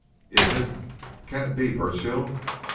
Is it can it be Burchill?